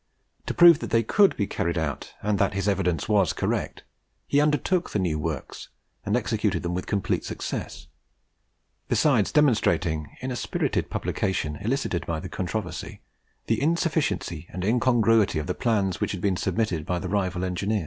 To prove that they could be carried out, and that his evidence was correct, he undertook the new works, and executed them with complete success; besides demonstrating in a spirited publication elicited by the controversy, the insufficiency and incongruity of the plans which had been submitted by the rival engineer.